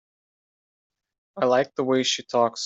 I like the way she talks.